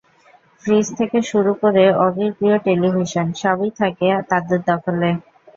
Fridge থেকে শুরু করে অগির প্রিয় টেলিভিশন, সবই থাকে তাদের দখলে।